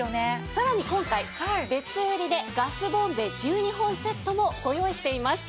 さらに今回別売りでガスボンベ１２本セットもご用意しています。